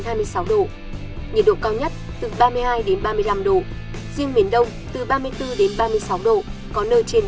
nhiệt độ cao nhất từ ba mươi hai đến ba mươi năm độ riêng miền đông từ ba mươi bốn đến ba mươi sáu độ có nơi trên ba mươi sáu độ